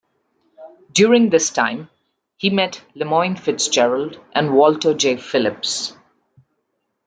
During this time, he met LeMoine Fitzgerald and Walter J. Phillips.